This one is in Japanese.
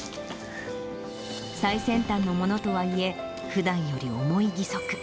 最先端のものとはいえ、ふだんより重い義足。